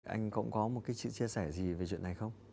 anh cũng có một cái sự chia sẻ gì về chuyện này không